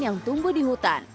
yang tumbuh di hutang